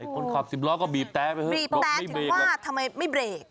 คนขับสิบรถก็บีบแต๊ะไปเบีบแต๊ะถึงว่าทำไมไม่เบรก